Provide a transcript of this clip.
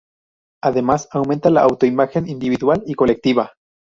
Además aumenta la auto-imagen individual y colectiva.